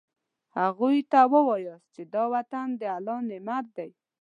هغوی ته ووایاست چې دا وطن د الله نعمت دی.